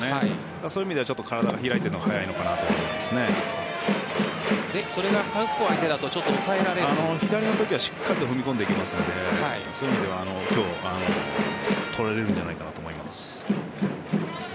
そういう意味では体が開いているのがそれがサウスポー相手だと左のときはしっかりと踏み込んできますのでそういう意味では今日取られるんじゃないかなと思います。